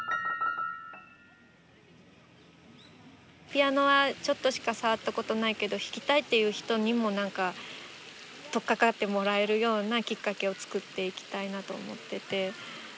ピアノはちょっとしか触ったことないけど弾きたいっていう人にもとっかかってもらえるようなきっかけをつくっていきたいなと思ってて。